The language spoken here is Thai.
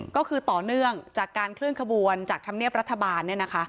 ก็คือต่อเนื่องจากการเคลื่อนขบวนจากธรรมเนียบรัฐบาล